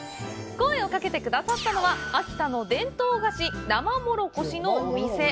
声をかけてくださったのは秋田の伝統菓子「生もろこし」のお店。